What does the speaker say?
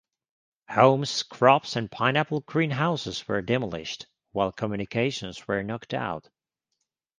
Homes, crops, and pineapple greenhouses were demolished, while communications were knocked out.